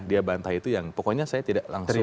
dia bantah itu yang pokoknya saya tidak langsung